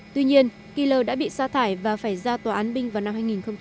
tuy nhiên kilo đã bị xa thải và phải ra tòa án binh vào năm hai nghìn một mươi